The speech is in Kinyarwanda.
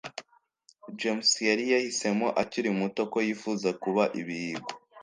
james yari yahisemo akiri muto ko yifuza kuba ibihingwa